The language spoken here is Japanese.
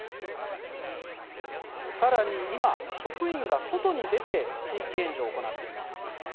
さらに今、職員が外に出て地域援助を行っています。